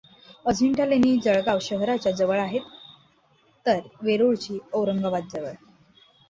अजिंठा लेणी जळगांव शहराच्या जवळ आहेत, तर वेरूळची औरंगाबादजवळ.